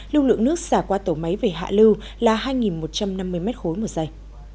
lưu lượng nước xả qua tổ máy về hạ lưu là hai một trăm năm mươi m ba một giây